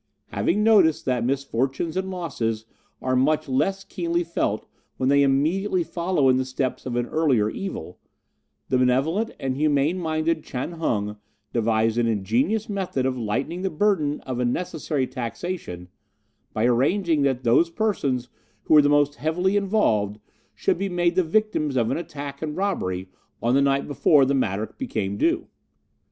Having noticed that misfortunes and losses are much less keenly felt when they immediately follow in the steps of an earlier evil, the benevolent and humane minded Chan Hung devised an ingenious method of lightening the burden of a necessary taxation by arranging that those persons who were the most heavily involved should be made the victims of an attack and robbery on the night before the matter became due.